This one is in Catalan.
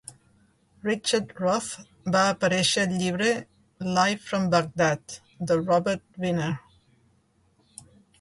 Richard Roth va aparèixer al llibre "Live from Baghdad" de Robert Wiener.